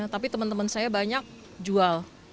tapi teman teman saya banyak jual